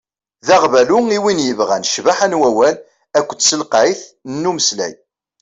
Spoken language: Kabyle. D aɣbalu i win yebɣan ccbaḥa n wawal akked telqayt n umeslay.